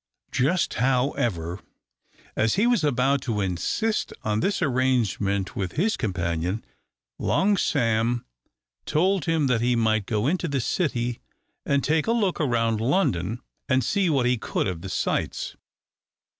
Just, however, as he was about to insist on this arrangement with his companion, Long Sam told him that he might go into the city and take a look round London, and see what he could of the sights.